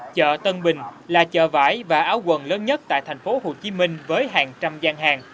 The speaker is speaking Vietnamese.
chợ tân bình là chợ vải và áo quần lớn nhất tại thành phố hồ chí minh với hàng trăm gian hàng